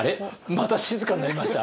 また静かになりました？